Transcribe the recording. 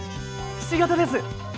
ひし形です！